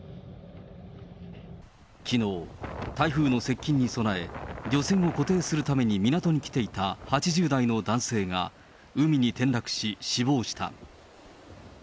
きのう、台風の接近に備え、漁船を固定するために港に来ていた８０代の男性が海に転落し、死亡した。